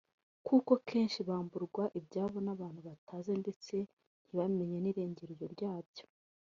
kuko kenshi bamburwa ibyabo n’abantu batazi ndetse ntibamenye n’irengero ryabyo